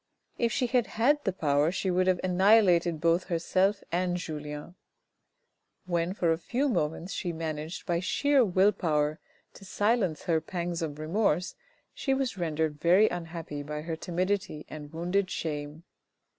If she had had the power she would have annihilated both herself and Julien. When for a few moments she managed by sheer will power to silence her pangs of remorse, she was rendered very unhappy by her timidity and wounded shame.